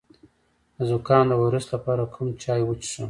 د زکام د ویروس لپاره کوم چای وڅښم؟